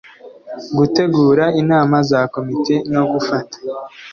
gutegura inama za komite no gufata